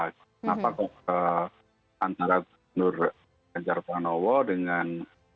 kenapa kok antara nur ganjar pranowo dengan